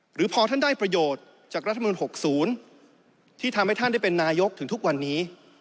หรือพอท่านได้ประโยชน์จากรัฐมนุน๖๐ที่ทำให้ท่านได้เป็นนายกถึงทุกวันนี้